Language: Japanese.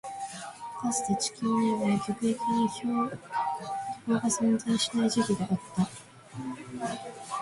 かつて、地球には極域に氷床が存在しない時期があった。